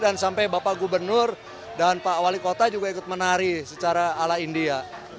dan sampai bapak gubernur dan pak wali kota juga ikut menari secara ala india